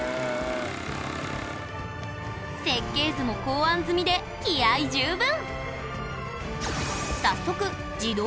設計図も考案済みで気合い十分！